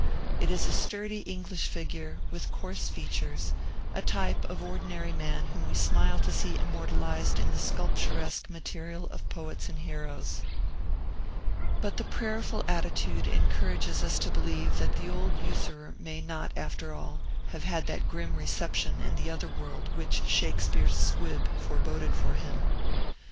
It is a sturdy English figure, with coarse features, a type of ordinary man whom we smile to see immortalized in the sculpturesque material of poets and heroes; but the prayerful attitude encourages us to believe that the old usurer may not, after all, have had that grim reception in the other world which Shakespeare's squib foreboded for him.